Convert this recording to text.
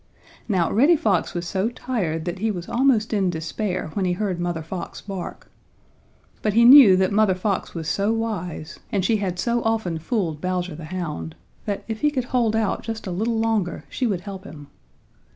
Now Reddy Fox was so tired that he was almost in despair when he heard Mother Fox bark. But he knew that Mother Fox was so wise, and she had so often fooled Bowser the Hound, that if he could hold out just a little longer she would help him.